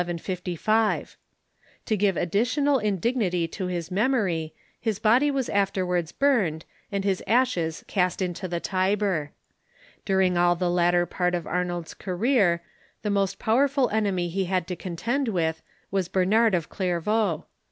To give additional indignity to his memory, his body was afterwards burned, and his ashes cast into the Tiber. During all the latter part of Ar nold's career, the most powerful enemy he had to contend Avith Avas Bernard of Clairvaux.